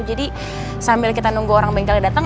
jadi sambil kita nunggu orang bengkelnya datang